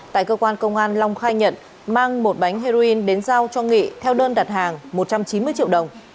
tại cơ quan công an long khai nhận mang một bánh heroin đến giao cho nghị theo đơn đặt hàng một trăm chín mươi triệu đồng